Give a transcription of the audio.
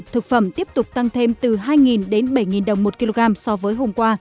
thực phẩm tiếp tục tăng thêm từ hai đến bảy đồng một kg so với hôm qua